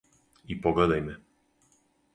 И погледај ме.